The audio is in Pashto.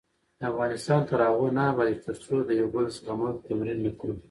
افغانستان تر هغو نه ابادیږي، ترڅو د یو بل زغمل تمرین نکړو.